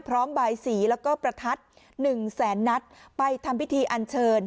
พร้อมบ่ายสีแล้วก็ประทัดหนึ่งแสนนัดไปทำพิธีอันเชิญ